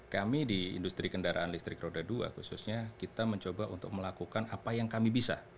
kami di industri kendaraan listrik roda dua khususnya kita mencoba untuk melakukan apa yang kami bisa